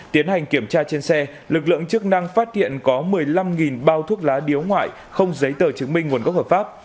tiến hành kiểm tra trên xe lực lượng chức năng phát hiện có một mươi năm bao thuốc lá điếu ngoại không giấy tờ chứng minh nguồn gốc hợp pháp